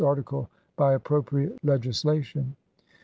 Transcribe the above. article by appropriate legislation.